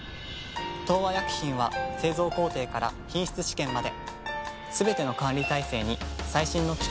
東和薬品は製造工程から品質試験まですべての管理体制に最新の機器や技術を導入。